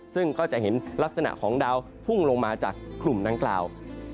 ซึ่งก็จะเห็นลักษณะของดาวพุ่งลงมาจากกลุ่มดังกล่าว